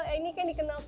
kayaknya mukanya tenang